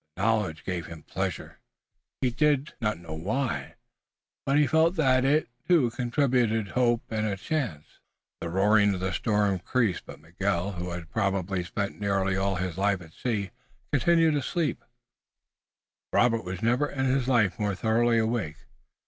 The knowledge gave him pleasure. He did not know why, but he felt that it, too, contributed hope and a chance. The roar of the storm increased, but Miguel, who had probably spent nearly all his life at sea, continued to sleep soundly. Robert was never in his life more thoroughly awake.